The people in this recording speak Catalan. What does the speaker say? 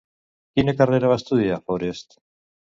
Quina carrera va estudiar Forest?